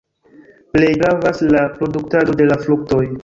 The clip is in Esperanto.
Plej gravas la produktado de la fruktoj.